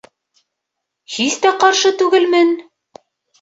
Һис тә ҡаршы түгелмен